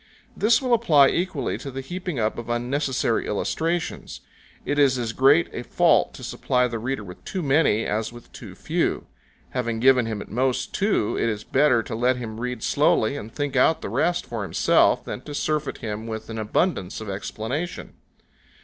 This will apply equally to the heaping up of unnecessary illustrations: it is as great a fault to supply the reader with too many as with too few; having given him at most two, it is better to let him read slowly and think out the rest for himself than to surfeit him with an abundance of explanation.